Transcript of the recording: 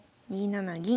２七銀。